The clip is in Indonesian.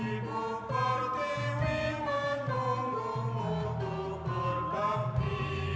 ibu partai menunggu munggu berdaki